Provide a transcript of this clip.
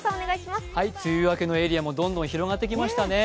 梅雨明けのエリアもどんどん広がってきましたね。